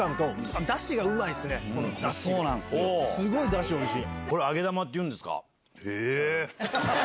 すごい出汁おいしい。